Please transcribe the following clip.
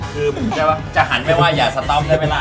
คือผมจะหันไปว่าอย่าสต๊อปได้ไหมล่ะ